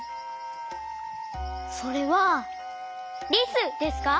それはリスですか？